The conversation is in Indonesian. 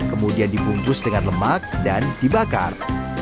kemudian dibungkus dengan lemak dan dibakar